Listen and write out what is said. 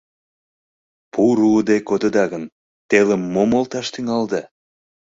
— Пу руыде кодыда гын, телым мом олташ тӱҥалыда?